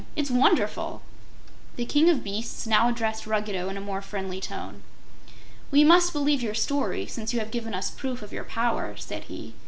It's wonderful!" The King of Beasts now addressed Ruggedo in a more friendly tone. "We must believe your story, since you have given us proof of your power," said he.